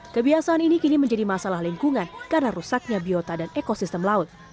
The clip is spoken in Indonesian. kebiasaan ini kini menjadi masalah lingkungan karena rusaknya biota dan ekosistem laut